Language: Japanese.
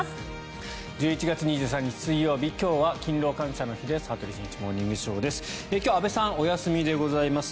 １１月２３日、水曜日今日は勤労感謝の日です。